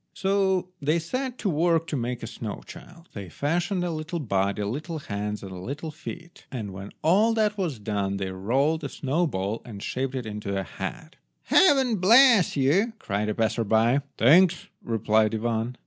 So they set to work to make a snow child. They fashioned a little body, little hands, and little feet, and when all that was done they rolled a snow ball and shaped it into a head. "Heaven bless you!" cried a passer by. "Thanks," replied Ivan.